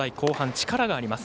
力があります。